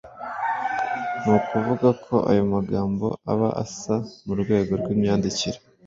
Ni ukuvuga ko ayo magambo aba asa mu rwego rw’imyandikire